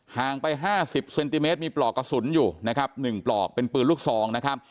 ห่างไป๕๐เซนติเมตรมีปลอกกระสุนอยู่นะครับ๑ปลอกเป็นปืนลูกซองนะครับ